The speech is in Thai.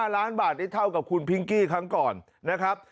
๕ล้านบาทได้เท่ากับคุณพิงกี้ครั้งก่อนนะครับ